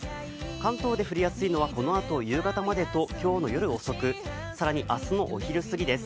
関東で降りやすいのは、このあと夕方までと、今日の夜遅く更に明日のお昼すぎです。